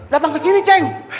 datang kesini ceng